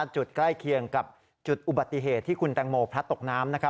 ใกล้เคียงกับจุดอุบัติเหตุที่คุณแตงโมพลัดตกน้ำ